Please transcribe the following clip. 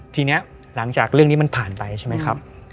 ทีนี้หลังจากเรื่องนี้มันผ่านไปใช่ไหมครับ